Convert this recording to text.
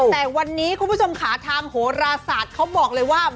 แต่วันนี้คุณผู้ชมค่ะทางโหราศาสตร์เขาบอกเลยว่า